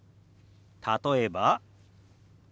例えば。